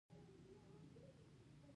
د تولیدوونکو پر زیان و.